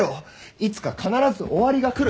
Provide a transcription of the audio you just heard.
いつか必ず終わりがくる。